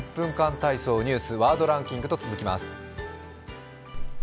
体操」、ニュース、「ワードランキング」と続きます。